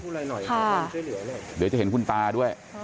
เดี๋ยวจะเห็นคุณตาด้วย